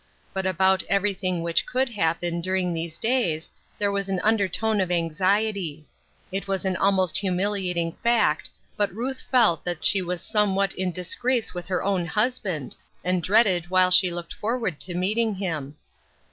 But about everything which could happen, during these days, there was an undertone of anxiety. It was an almost humiliating fact, but Ruth felt that AT HOME. 333 she was somewhat in disgrace with her own hus band, and dreaded while she looked forward to meeting him.